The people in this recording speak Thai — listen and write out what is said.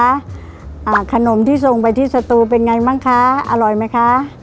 อ่าขนมที่ส่งไปที่สตูเป็นไงบ้างคะอร่อยไหมคะ